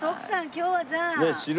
今日はじゃあ。